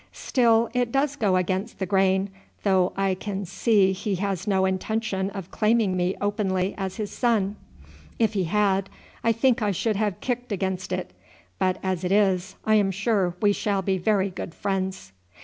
"Still it does go against the grain, though I can see he has no intention of claiming me openly as his son. If he had, I think I should have kicked against it; but as it is, I am sure we shall be very good friends."